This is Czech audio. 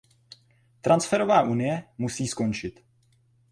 Transferová unie musí skončit.